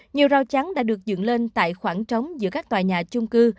nhiều rau trắng đã được dựng lên tại khoảng trống giữa các tòa nhà chung cư